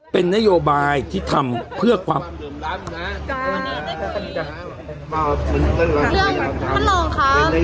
เป็นนโยบายที่ทำเพื่อความเหลื่อมล้ำนะ